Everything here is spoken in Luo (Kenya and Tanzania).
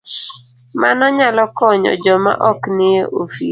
Mano nyalo konyo joma ok nie ofis